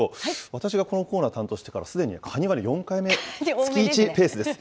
私がこのコーナー担当してから、すでにカニは４回目、月１ペースです。